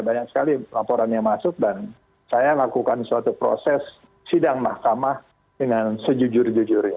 banyak sekali laporan yang masuk dan saya lakukan suatu proses sidang mahkamah dengan sejujur jujur ya